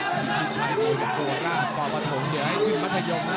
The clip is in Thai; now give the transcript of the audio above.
พี่ชิคชัยตามีโปรตราพอพะถงเดี๋ยวให้ถึงมัธยมนะ